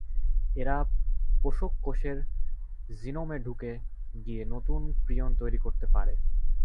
এরা পোষক কোষের জিনোমে ঢুকে গিয়ে নতুন প্রিয়ন তৈরি করতে পারে।